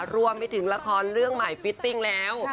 รวมไปถึงละครเรื่องใหม่ฟิตติ้งแล้ว